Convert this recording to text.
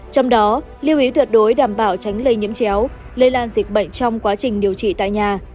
trong đó lưu ý tuyệt đối đảm bảo tránh lây nhiễm chéo lây lan dịch bệnh trong quá trình điều trị tại nhà